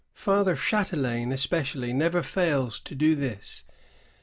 Father Ch&telain especially never fails to do this.